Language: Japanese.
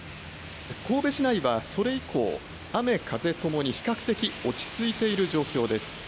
神戸市内はそれ以降、雨、風ともに比較的落ち着いている状況です。